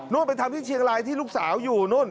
ไปทำที่เชียงรายที่ลูกสาวอยู่นู่น